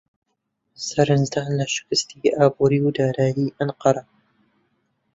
سەرنجدان لە شکستی ئابووری و دارایی ئەنقەرە